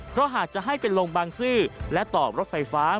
เพราะหากจะให้ไปลงบางซื่อและตอบรถไฟฟ้า